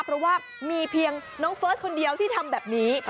เพราะว่ามีเพียงน้องเฟิร์สคนเดียวที่ทำแบบนี้